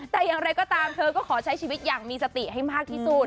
แต่อย่างไรก็ตามเธอก็ขอใช้ชีวิตอย่างมีสติให้มากที่สุด